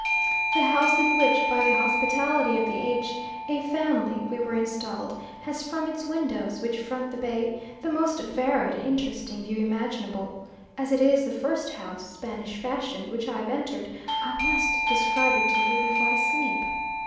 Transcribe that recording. The house in which, by the hospitality of the H a family we are installed, has from its windows, which front the bay, the most varied and interesting view imaginable. As it is the first house, Spanish fashion, which I have entered, I must describe it to you before I sleep.